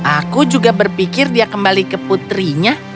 aku juga berpikir dia kembali ke putrinya